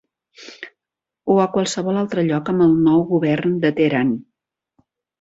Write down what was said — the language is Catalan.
o a qualsevol altre lloc amb el nou govern de Tehran.